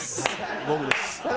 僕です。